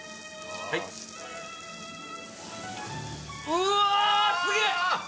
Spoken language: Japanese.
うわあ、すげえ！